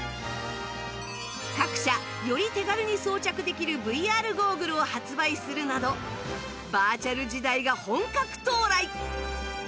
各社より手軽に装着できる ＶＲ ゴーグルを発売するなどバーチャル時代が本格到来！